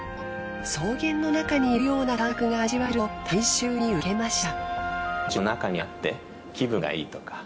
草原の中にいるような感覚が味わえると大衆にウケました。